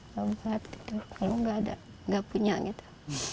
kalau nggak ada nggak punya gitu